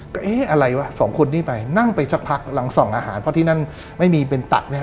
ก็เอ๊ะอะไรวะสองคนนี้ไปนั่งไปสักพักหลังส่องอาหารเพราะที่นั่นไม่มีเป็นตักนะฮะ